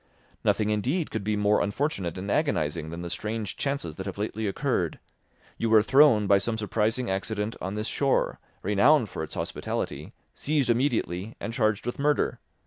"Nothing indeed could be more unfortunate and agonising than the strange chances that have lately occurred. You were thrown, by some surprising accident, on this shore, renowned for its hospitality, seized immediately, and charged with murder.